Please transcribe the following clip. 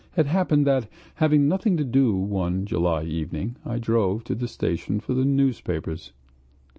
It happened that, having nothing to do one July evening, I drove to the station for the newspapers.